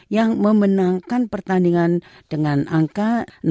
yang memenangkan pertandingan dengan angka enam ribu enam puluh dua